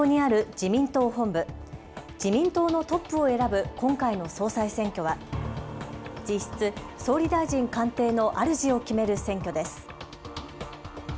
自民党のトップを選ぶ今回の総裁選挙は、実質、総理大臣官邸のあるじを決める選挙です。